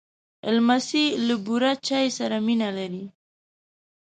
لمسی له بوره چای سره مینه لري.